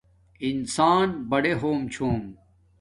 انسان بڑے ہوم چھوم